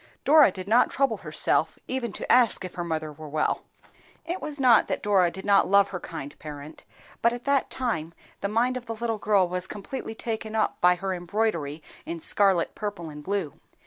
Dora did not trouble herself even to ask if her mother were well. It was not that Dora did not love her kind parent, but at that time the mind of the little girl was completely taken up by her embroidery in scarlet, purple, and blue.